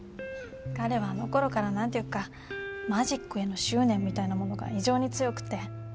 彼はあのころから何ていうかマジックへの執念みたいなものが異常に強くて。